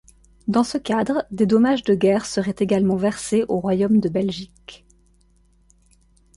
Dans ce cadre, des dommages de guerre seraient également versés au royaume de Belgique.